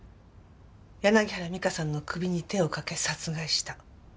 柳原美香さんの首に手をかけ殺害した。